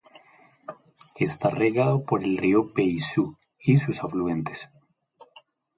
Está regado por el río Beisug y sus afluentes.